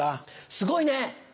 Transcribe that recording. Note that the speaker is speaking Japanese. すごいね。